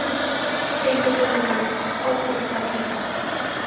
E iso ten un nome: autoritarismo.